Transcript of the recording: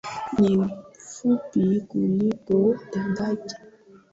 Ni mfupi kuliko dadake